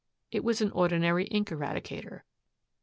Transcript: It was an ordinary ink eradicator.